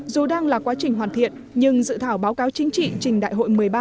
dù đang là quá trình hoàn thiện nhưng dự thảo báo cáo chính trị trình đại hội một mươi ba